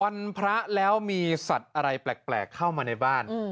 พระแล้วมีสัตว์อะไรแปลกเข้ามาในบ้าน